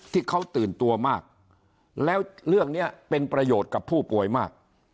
ที่เขาตื่นตัวมากแล้วเรื่องนี้เป็นประโยชน์กับผู้ป่วยมาก